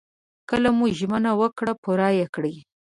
کله مو ژمنه وکړه پوره يې کړئ.